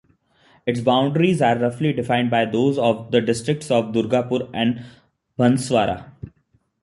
Its boundaries are roughly defined by those of the districts of Dungarpur and Banswara.